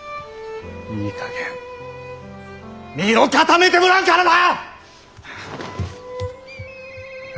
いいかげん身を固めてもらうからな！